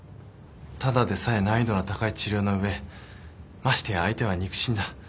ただでさえ難易度の高い治療な上ましてや相手は肉親だ。